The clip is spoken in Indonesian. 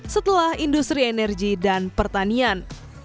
setelah industri energi dan pertanian